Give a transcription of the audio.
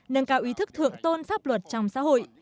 nâng cao ý thức thượng tôn pháp luật trong xã hội